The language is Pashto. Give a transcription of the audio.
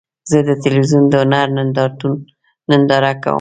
زه د تلویزیون د هنر ننداره کوم.